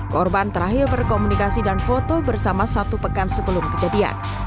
korban terakhir berkomunikasi dan foto bersama satu pekan sebelum kejadian